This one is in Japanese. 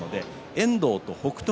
遠藤と北勝